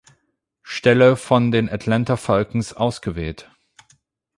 Stelle von den Atlanta Falcons ausgewählt.